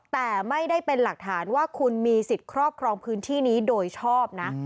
แต่ไม่ได้เป็นหลักฐานว่าคุณมีสิทธิ์ครอบครองพื้นที่นี้โดยชอบนะ